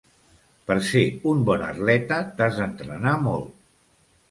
Per ser un bon atleta t'has d'entrenar molt.